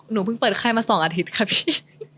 หนูเพิ่งเปิดไข้มา๒อาทิตย์ค่ะพี่